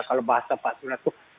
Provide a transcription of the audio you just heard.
kalau bahasa pak surya itu